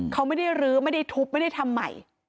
เขาไม่ได้รื้อไม่ได้ทุบไม่ได้ทำใหม่